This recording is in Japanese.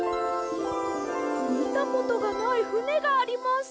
みたことがないふねがあります！